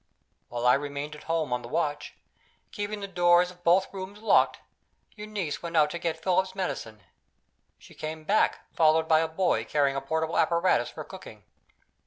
While I remained at home on the watch, keeping the doors of both rooms locked, Eunice went out to get Philip's medicine. She came back, followed by a boy carrying a portable apparatus for cooking.